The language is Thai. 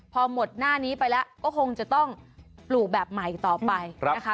พอหมดหน้านี้ไปแล้วก็คงจะต้องปลูกแบบใหม่ต่อไปนะคะ